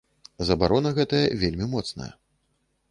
Забарона гэтая вельмі моцная.